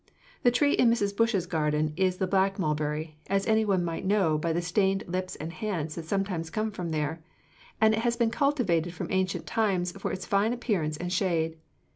The tree in Mrs. Bush's garden is the black mulberry, as any one might know by the stained lips and hands that sometimes come from there; and it has been cultivated from ancient times for its fine appearance and shade.